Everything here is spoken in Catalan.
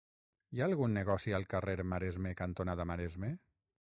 Hi ha algun negoci al carrer Maresme cantonada Maresme?